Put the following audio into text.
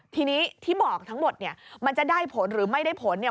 ทีนี้ที่บอกทั้งหมดเนี่ยมันจะได้ผลหรือไม่ได้ผลเนี่ย